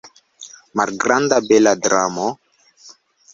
Malgranda bela dramo?